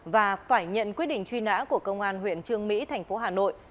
và phải nhận quyết định truy nã của công an huyện trương mỹ thành phố hà nội